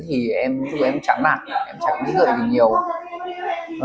thì em chẳng làm